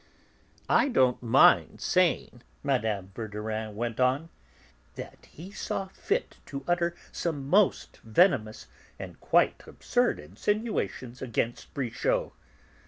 "I don't mind saying," Mme. Verdurin went on, "that he saw fit to utter some most venomous, and quite absurd insinuations against Brichot.